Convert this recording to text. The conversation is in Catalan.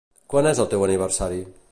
Quan és el teu aniversari?